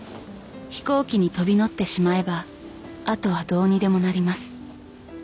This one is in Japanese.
「飛行機に飛び乗ってしまえばあとはどうにでもなります」